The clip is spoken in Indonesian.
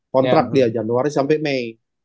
kontrak dia januari sampai mei